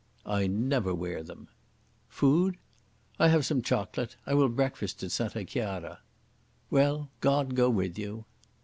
"I never wear them." "Food?" "I have some chocolate. I will breakfast at Santa Chiara." "Well, God go with you!"